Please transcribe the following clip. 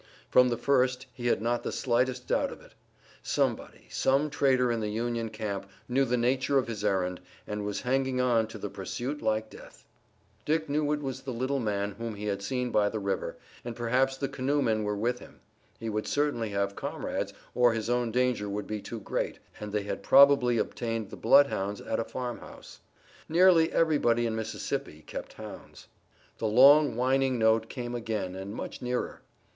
From the first he had not the slightest doubt of it. Somebody, some traitor in the Union camp, knew the nature of his errand, and was hanging on to the pursuit like death. Dick knew it was the little man whom he had seen by the river, and perhaps the canoemen were with him he would certainly have comrades, or his own danger would be too great and they had probably obtained the bloodhounds at a farmhouse. Nearly everybody in Mississippi kept hounds. The long whining note came again and much nearer.